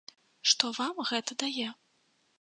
Што вам гэта дае?